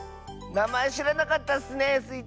なまえしらなかったッスねスイ